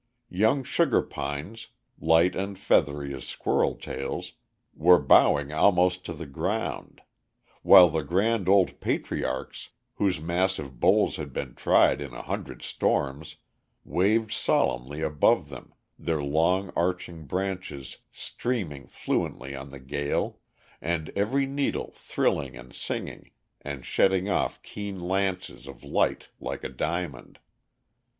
Young sugar pines, light and feathery as squirrel tails, were bowing almost to the ground; while the grand old patriarchs, whose massive boles had been tried in a hundred storms, waved solemnly above them, their long, arching branches streaming fluently on the gale, and every needle thrilling and singing and shedding off keen lances of light like a diamond.